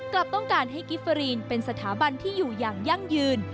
กลับต้องการให้กิฟเฟอรีนเป็นสถาบันที่อยู่อย่างยั่งยืน